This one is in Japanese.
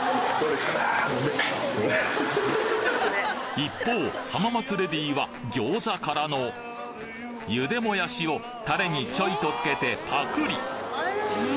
一方浜松レディは餃子からの茹でもやしをタレにちょいとつけてパクリ！